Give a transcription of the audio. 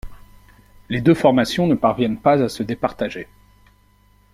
Les deux formations ne parviennent pas à se départager.